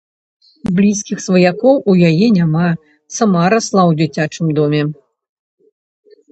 Блізкіх сваякоў у яе няма, сама расла ў дзіцячым доме.